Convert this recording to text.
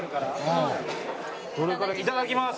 いただきます。